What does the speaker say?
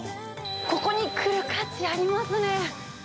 ここに来る価値ありますね。